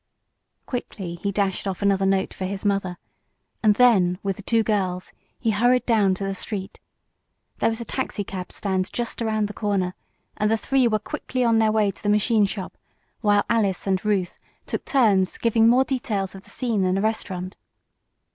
Quickly he dashed off another note for his mother, and then, with the two girls, he hurried down to the street. There was a taxicab stand just around the corner, and the three were quickly on their way to the machine shop, while Ruth and Alice took turns giving more details of the scene in the restaurant.